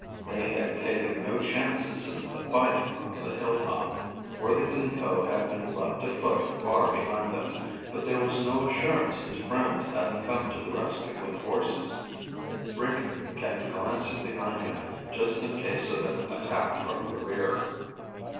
They had taken no chances since the fight on the hilltop. Worthington Ko had been left afoot far behind them, but there was no assurance his friends hadn't come to the rescue with horses. Rick kept glancing behind him, just in case of an attack from the rear.